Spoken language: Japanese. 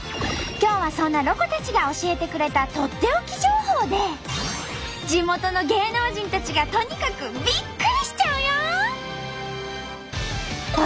今日はそんなロコたちが教えてくれたとっておき情報で地元の芸能人たちがとにかくビックリしちゃうよ！